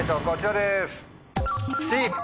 こちらです。